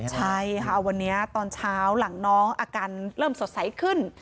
ใช่ค่ะวันนี้ตอนเช้าหลังน้องอาการเริ่มสดใสขึ้น